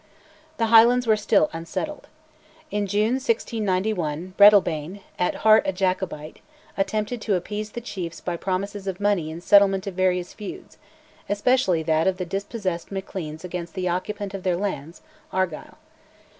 The Highlands were still unsettled. In June 1691 Breadalbane, at heart a Jacobite, attempted to appease the chiefs by promises of money in settlement of various feuds, especially that of the dispossessed Macleans against the occupant of their lands, Argyll.